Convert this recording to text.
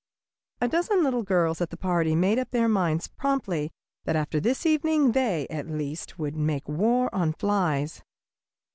A dozen little girls at the party made up their minds promptly that after this evening they, at least, would make war on flies.